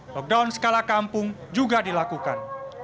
lockdown skala kampung juga dilakukan